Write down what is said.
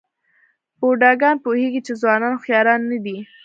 بوډاګان پوهېږي چې ځوانان هوښیاران نه دي.